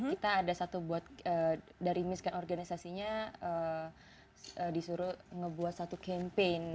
kita ada satu buat dari misken organisasinya disuruh ngebuat satu campaign